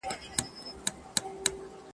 چي د شپې یې رنګارنګ خواړه خوړله !.